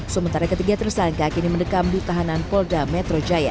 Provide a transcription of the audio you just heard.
sementara ketiga tersangka kini mendekam di tahanan polda metro jaya